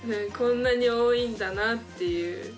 こんなに多いんだなっていう。